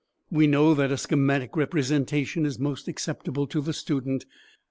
We know that a schematic representation is most acceptable to the student.